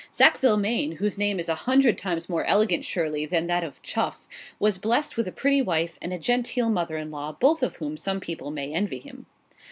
Sackville Maine (whose name is a hundred times more elegant, surely, than that of Chuff) was blest with a pretty wife, and a genteel mother in law, both of whom some people may envy him.